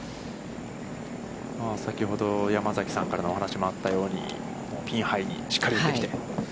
先ほど山崎さんからのお話もあったように、ピンハイに、しっかり打ってきて。